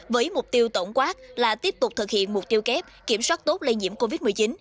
với mục tiêu tổng quát là tiếp tục thực hiện mục tiêu kép kiểm soát tốt lây nhiễm covid một mươi chín